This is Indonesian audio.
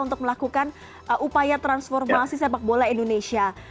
untuk melakukan upaya transformasi sepak bola indonesia